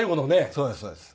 そうですそうです。